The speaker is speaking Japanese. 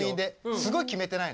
すごい決めてないの。